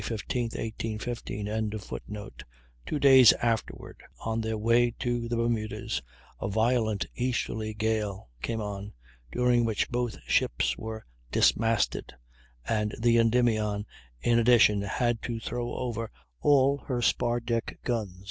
15, 1815.] Two days afterward, on their way to the Bermudas, a violent easterly gale came on, during which both ships were dismasted, and the Endymion in addition had to throw over all her spar deck guns.